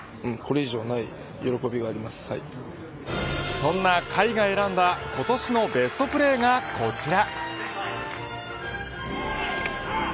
そんな甲斐が選んだ今年のベストプレーがこちら。